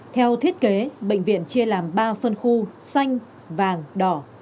theo thiết kế bệnh viện chia làm ba phân khu xanh vàng đỏ